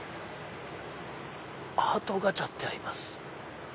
「アートガチャ」ってあります。